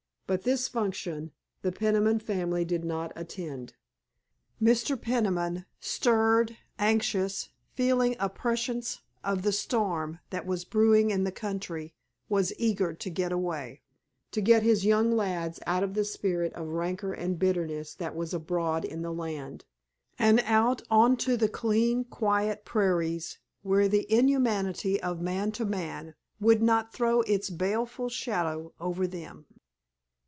But this function the Peniman family did not attend. Mr. Peniman, stirred, anxious, feeling a prescience of the storm that was brewing in the country, was eager to get away; to get his young lads out of the spirit of rancor and bitterness that was abroad in the land, and out onto the clean, quiet prairies where the inhumanity of man to man would not throw its baleful shadow over them.